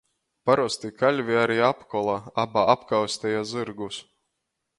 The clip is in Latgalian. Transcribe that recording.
Parosti kaļvi ari apkola aba apkausteja zyrgus.